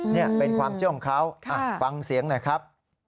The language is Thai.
นี่เป็นความเชื่อของเขาฟังเสียงหน่อยครับ